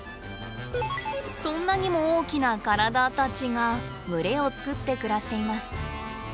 そんなにも大きな体たちが群れをつくって暮らしています。